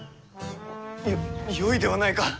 よよいではないか。